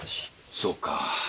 そうか。